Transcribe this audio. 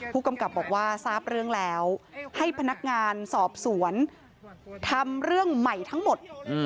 ผู้กำกับบอกว่าทราบเรื่องแล้วให้พนักงานสอบสวนทำเรื่องใหม่ทั้งหมด